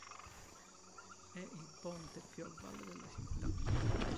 È il ponte più a valle della città.